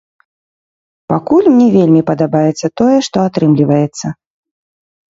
Пакуль мне вельмі падабаецца тое, што атрымліваецца.